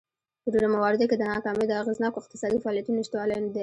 په ډېرو مواردو کې دا ناکامي د اغېزناکو اقتصادي فعالیتونو نشتوالی دی.